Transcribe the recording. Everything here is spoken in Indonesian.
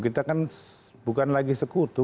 kita kan bukan lagi sekutu